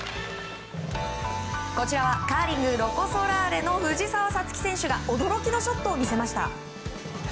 こちらはカーリングロコ・ソラーレの藤澤五月選手が驚きのショットを見せました。